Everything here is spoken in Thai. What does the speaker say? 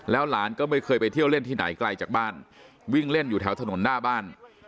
หลานก็ไม่เคยไปเที่ยวเล่นที่ไหนไกลจากบ้านวิ่งเล่นอยู่แถวถนนหน้าบ้าน